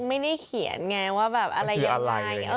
ไม่ได้เขียนไงว่าแบบอะไรยังไง